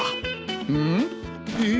うん？えっ？